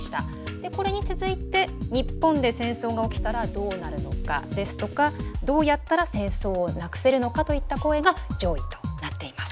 これに続いて「日本で戦争が起きたらどうなるのか」ですとか「どうやったら戦争をなくせるのか」といった声が上位となっています。